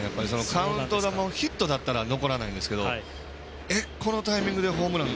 カウント球をヒットだったら残らないんですけどえっ、このタイミングでホームラン？